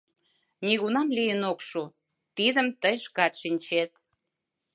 Нигунам лийын ок шу, тидым тый шкат шинчет.